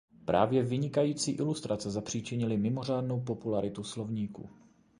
Právě vynikající ilustrace zapříčinily mimořádnou popularitu slovníku.